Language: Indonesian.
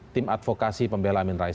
tim advokasi pembela amin rais